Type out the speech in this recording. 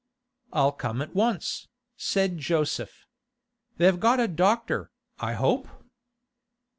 'I'll come at once,' said Joseph. 'They've got a doctor, I hope?